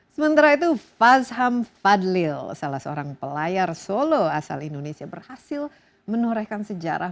sementara itu fazham fadlil salah seorang pelayar solo asal indonesia berhasil menorehkan sejarah